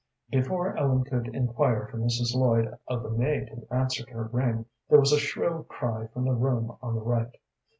Before Ellen could inquire for Mrs. Lloyd of the maid who answered her ring there was a shrill cry from the room on the right.